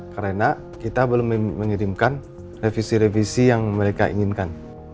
karena kita belum mengirimkan revisi revisi yang mereka inginkan